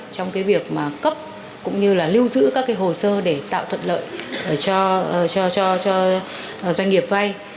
trong việc cấp cũng như lưu giữ các hồ sơ để tạo thuận lợi cho doanh nghiệp vay